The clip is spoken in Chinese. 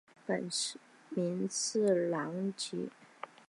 本名次郎吉。